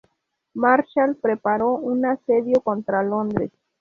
Marshal preparó un asedio contra Londres.